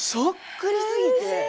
そっくりすぎて。